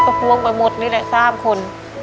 พวงไปหมดนี่แหละ๓คน